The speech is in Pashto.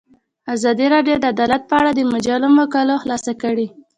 ازادي راډیو د عدالت په اړه د مجلو مقالو خلاصه کړې.